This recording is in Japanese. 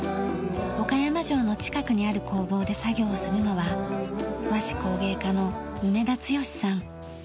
岡山城の近くにある工房で作業をするのは和紙工芸家の梅田剛嗣さん。